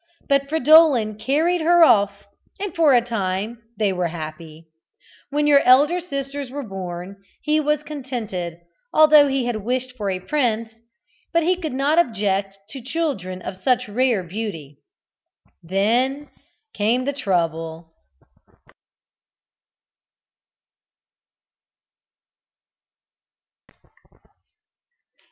But Fridolin carried her off, and for a time they were happy. When your elder sisters were born he was contented, although he had wished for a prince, but he could not object to children of such rare beauty. Then came the trouble.